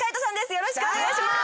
よろしくお願いします。